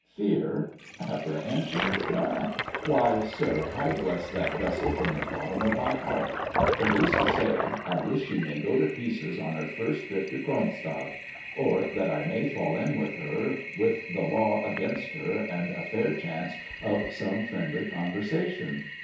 Fear! Apprehensions, eh? Why, sir, I bless that vessel from the bottom of my heart; that is to say, I wish she may go to pieces on her first trip to Cronstadt, or that I may fall in with her with the law against her and a fair chance of some friendly conversation.